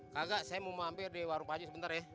kakak saya mau mampir di warung aja sebentar ya